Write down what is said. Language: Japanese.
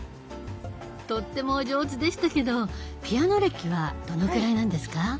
とってもお上手でしたけどピアノ歴はどのくらいなんですか？